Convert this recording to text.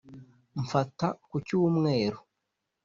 mfata ku cyumweru,